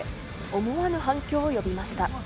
思わぬ反響を呼びました。